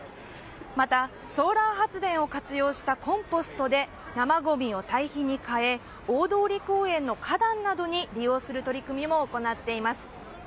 また、ソーラー発電を活用したコンポストで生ごみを堆肥に変え大通公園の花壇などに利用する取り組みも行っています。